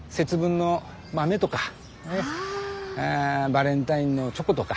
バレンタインのチョコとか。